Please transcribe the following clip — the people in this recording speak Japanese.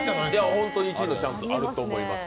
本当に１位のチャンスあると思います。